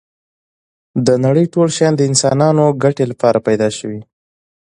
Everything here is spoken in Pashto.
دا نړی ټول شیان د انسانانو ګټی لپاره پيدا شوی